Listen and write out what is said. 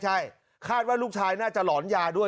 ใช่คาดว่าลูกชายน่าจะหลอนยาด้วย